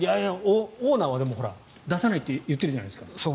オーナーは出さないって言ってるじゃないですか。